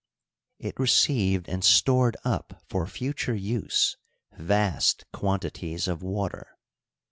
It received and stored up for future use vast quantities of water.